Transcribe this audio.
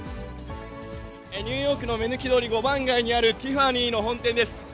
ニューヨークの目抜き通り、５番街にあるティファニーの本店です。